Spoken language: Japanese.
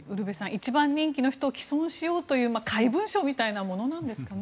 １番人気の人を棄損しようと怪文書みたいなものなんですかね。